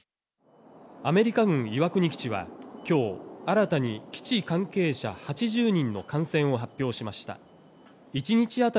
アメリカ軍岩国基地は、きょう、新たに、基地関係者８０人の感染を発表しました。